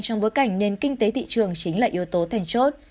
trong bối cảnh nền kinh tế thị trường chính là yếu tố thèn chốt